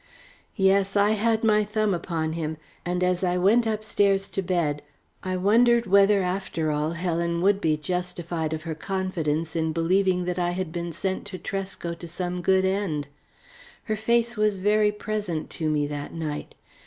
Yes, I had my thumb upon him and as I went upstairs to bed I wondered whether after all Helen would be justified of her confidence in believing that I had been sent to Tresco to some good end. Her face was very present to me that night.